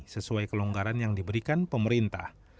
sesuai kelonggaran yang diberikan pemerintah